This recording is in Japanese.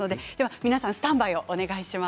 皆さんスタンバイをお願いします。